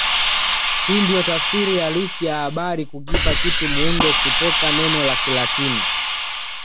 Hii ndiyo tafsiri halisi ya habari kukipa kitu muundo kutoka neno la Kilatini